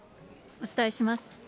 お伝えします。